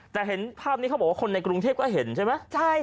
แต่เห็นภาพนี้เขาบอกว่าคนในกรุงเทพก็เห็นใช่ไหม